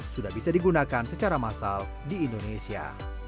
sudah bisa digunakan secara massal di indonesia